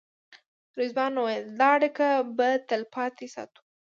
رضوان وویل دا اړیکه به تلپاتې ساتو.